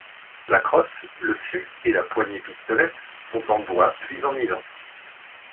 La crosse, le fut et la poignée-pistolets sont en bois puis en nylon.